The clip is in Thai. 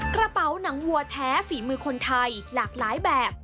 กระเป๋าหนังวัวแท้ฝีมือคนไทยหลากหลายแบบ